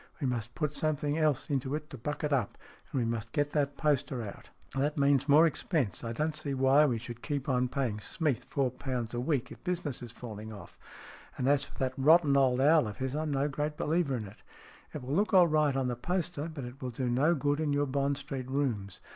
We must put something else into it to buck it up, and we must get that poster out." "That means more expense. I don't see why SMEATH 39 we should keep on paying Smeath four pounds a week if business is falling off. And as for that rotten old owl of his, I'm no great believer in it. It will look all right on the poster, but it will do no good in your Bond Street rooms.